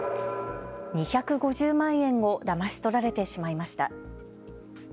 ２５０万円をだまし取られてしまいました。